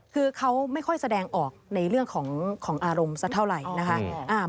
คือเขาไม่ค่อยแสดงออกในเรื่องของอารมณ์สักเท่าไหร่นะคะ